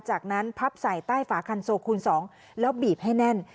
จากนั้นพับใส่ใต้ฝาคันโซคูณ๒แล้วบีบให้แน่น